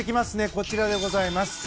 こちらでございます。